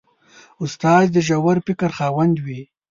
استاد د ژور فکر خاوند وي.